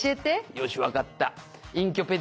「よしわかった」